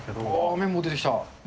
麺棒出てきた。